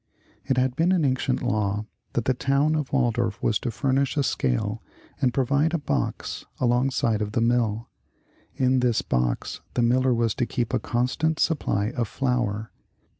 It had been an ancient law that the town of Waldorf was to furnish a scale and pro\dde a box alongside of the mill. In this box the miller was to keep a constant supply of flour.